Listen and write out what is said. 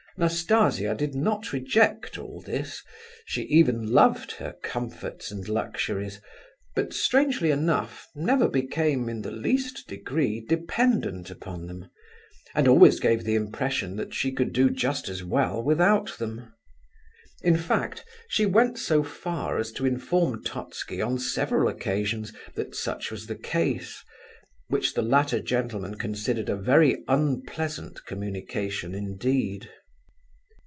Nastasia did not reject all this, she even loved her comforts and luxuries, but, strangely enough, never became, in the least degree, dependent upon them, and always gave the impression that she could do just as well without them. In fact, she went so far as to inform Totski on several occasions that such was the case, which the latter gentleman considered a very unpleasant communication indeed.